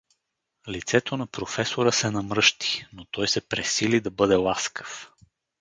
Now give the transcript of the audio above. Лицето на професора се намръщи, но той се пресили да бъде ласкав.